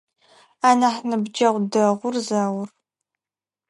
Анахь ныбджэгъу дэгъур Заур.